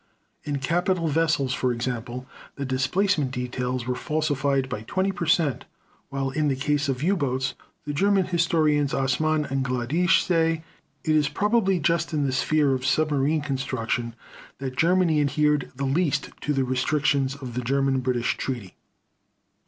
In capital vessels, for example, the displacement details were falsified by 20 percent, whilst in the case of U boats, the German historians Assmann and Gladisch say: "It is probably just in the sphere of submarine construction that Germany adhered the least to the restrictions of the German British Treaty."